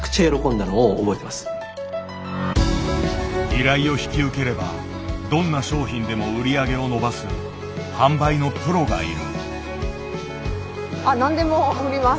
依頼を引き受ければどんな商品でも売り上げを伸ばす販売のプロがいる。